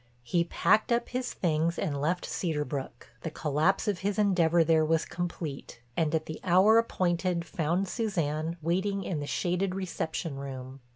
He packed up his things and left Cedar Brook—the collapse of his endeavor there was complete—and at the hour appointed found Suzanne waiting in the shaded reception room.